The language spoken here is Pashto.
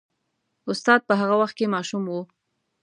استاد په هغه وخت کې ماشوم و.